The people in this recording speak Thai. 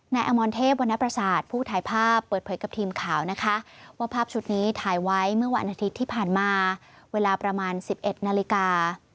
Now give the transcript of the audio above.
อมรเทพวรรณประสาทผู้ถ่ายภาพเปิดเผยกับทีมข่าวนะคะว่าภาพชุดนี้ถ่ายไว้เมื่อวันอาทิตย์ที่ผ่านมาเวลาประมาณ๑๑นาฬิกา